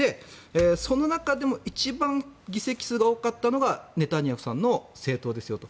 その中でも一番、議席数が多かったのがネタニヤフさんの政党ですよと。